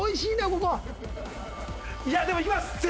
ここいやでもいきます